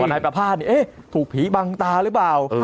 นายประภาษณ์ถูกผีบังตาหรือเปล่า